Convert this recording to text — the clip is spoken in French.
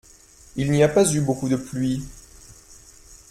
Il n’y a pas eu beaucoup de pluie.